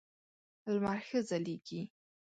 لمر ښه ځلېږي .